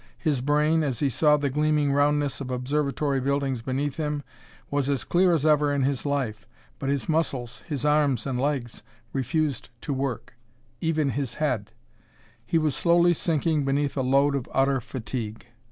His brain, as he saw the gleaming roundness of observatory buildings beneath him, was as clear as ever in his life, but his muscles, his arms and legs, refused to work: even his head; he was slowly sinking beneath a load of utter fatigue.